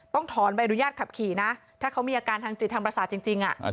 ต้องถอนใบอนุญาตขับขี่นะถ้าเขามีอาการทางจิตทางประสาทจริง